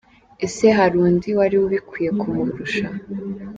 Ese hari undi wari ubikwiye kumurusha?